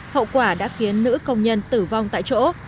hậu quả đã khiến nữ công nhân tử vong tại chỗ